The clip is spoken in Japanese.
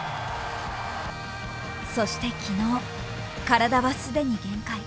そして昨日、体は既に限界。